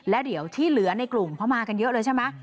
แล้วเดี๋ยวที่เหลือในกลุ่มเพราะมากันเยอะเลยใช่ไหม